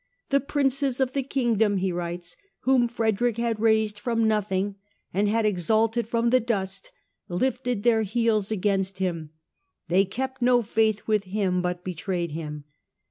" The Princes of the Kingdom," he writes, "whom Frederick had raised from nothing and had exalted from the dust, lifted their heels against him ; they kept no faith with him but betrayed him.